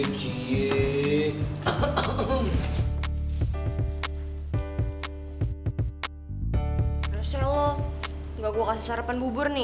nggak usah lo nggak gue kasih sarapan bubur nih